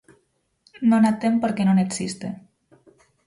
Non a ten porque non existe.